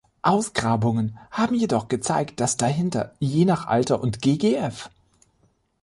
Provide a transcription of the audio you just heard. Ausgrabungen haben jedoch gezeigt, dass dahinter je nach Alter und ggf.